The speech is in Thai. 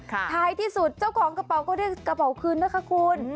ท้ายที่สุดเจ้าของกระเป๋าก็ได้กระเป๋าคืนนะคะคุณ